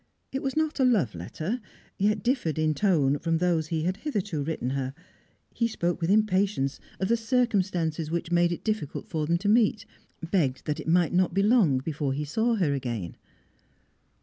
It was not a love letter, yet differed in tone from those he had hitherto written her; he spoke with impatience of the circumstances which made it difficult for them to meet, and begged that it might not be long before he saw her again.